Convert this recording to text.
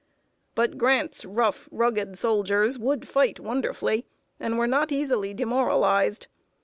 But Grant's rough, rugged soldiers would fight wonderfully, and were not easily demoralized.